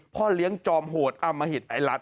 พ่อเลี้ยงจอมโหดอมหิตไอลัด